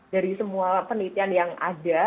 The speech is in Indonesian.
dari semua penelitian yang ada